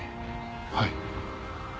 はい。